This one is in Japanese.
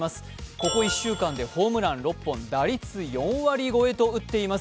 ここ１週間でホームラン６本打率４割超えと打っています